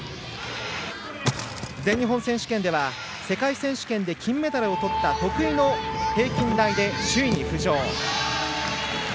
全日本選手権では世界選手権で金メダルをとった得意の平均台で首位に浮上。